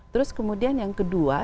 terus kemudian yang kedua